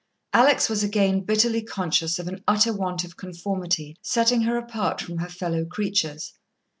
Alex was again bitterly conscious of an utter want of conformity setting her apart from her fellow creatures.